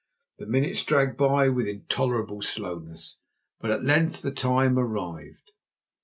The minutes dragged by with intolerable slowness, but at length the time arrived.